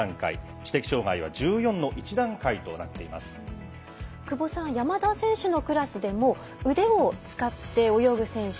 知的障がいは久保さん山田選手のクラスでも腕を使って泳ぐ選手